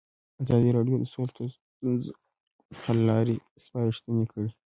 ازادي راډیو د سوله د ستونزو حل لارې سپارښتنې کړي.